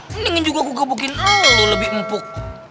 mendingin juga kukgebukin lu lebih empuk